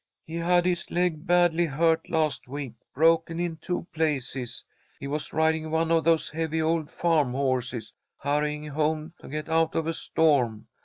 "He had his leg badly hurt last week, broken in two places. He was riding one of those heavy old farm horses, hurrying home to get out of a storm.